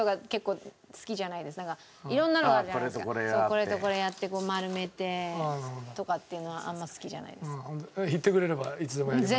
これとこれやって丸めてとかっていうのはあんま好きじゃないです。